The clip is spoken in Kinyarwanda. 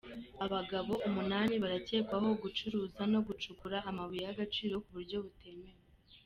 Abagabo umunani barakekwaho gucuruza no gucukura amabuye y’agaciro ku buryo butemewe